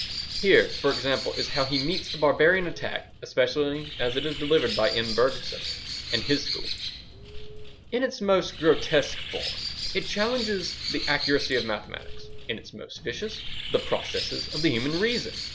Here, for example, is how he meets the barbarian attack, especially as it is delivered by M. Bergson and his school:— In its most grotesque form, it challenges the accuracy of mathematics; in its most vicious, the processes of the human reason.